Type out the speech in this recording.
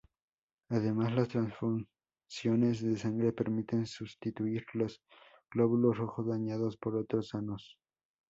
Además, las transfusiones de sangre permiten sustituir los glóbulos rojos dañados por otros sanos.